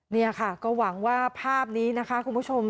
นี่ค่ะก็หวังว่าภาพนี้นะคะคุณผู้ชม